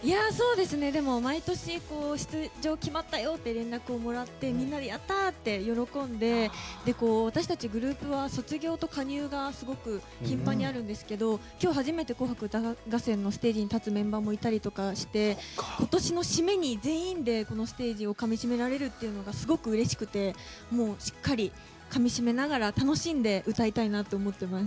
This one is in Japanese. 毎年出場決まったよ！って連絡をもらって、みんなで「やったー！」って喜んで私たちグループは卒業と加入がすごく頻繁にあるんですけど今日初めて、「紅白歌合戦」のステージに立つメンバーもいたりして、今年の締めに全員で、このステージをかみしめられるのがすごくうれしくてしっかり、かみしめながら楽しんで歌いたいなと思っています。